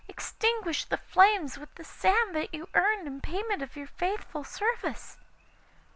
Extinguish the flames with the sand that you earned in payment of your faithful service.